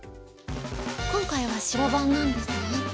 今回は白番なんですね。